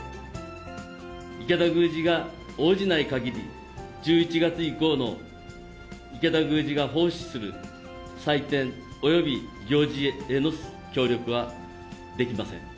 池田宮司が応じないかぎり、１１月以降の、池田宮司が奉仕する祭典および行事への協力はできません。